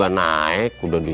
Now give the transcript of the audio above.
mak mau dong